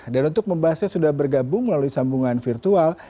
dan untuk membahasnya sudah bergabung melalui sambungan virtual